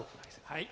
はい。